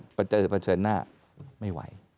แต่ประเทศหน้าไม่ไหว